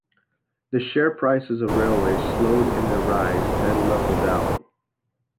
The share prices of railways slowed in their rise, then levelled out.